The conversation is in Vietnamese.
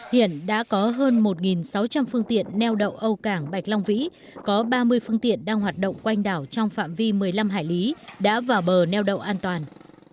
hiện đã có hơn một sáu trăm linh phương tiện neo đậu âu cảng bạch long vĩ có ba mươi phương tiện đang hoạt động quanh đảo trong phạm vi một mươi năm hải lý đã vào bờ neo đậu an toàn